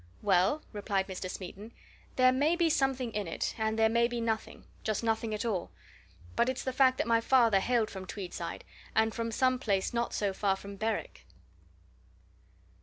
"Well," replied Mr. Smeaton, "there may be something in it, and there may be nothing just nothing at all. But it's the fact that my father hailed from Tweedside and from some place not so far from Berwick."